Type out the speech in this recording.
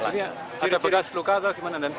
ada pegas luka atau gimana